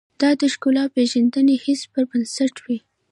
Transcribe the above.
دا د ښکلا پېژندنې حس پر بنسټ وي.